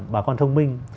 bà con thông minh